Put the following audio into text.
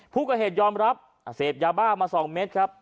ผู้ก่อเหตุยอมรับเสพยาบ้ามา๒เม็ดครับ